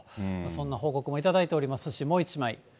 そんな報告も頂いておりますし、もう１枚。